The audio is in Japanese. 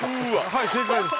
はい正解です。